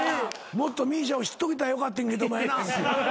もっとＭＩＳＩＡを知っといたらよかってんけどもやな。